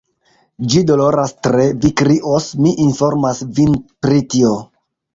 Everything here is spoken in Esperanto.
Ĝi doloras tre; vi krios, mi informas vin pri tio.